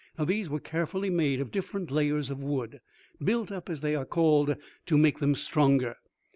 These were carefully made, of different layers of wood "built up" as they are called, to make them stronger.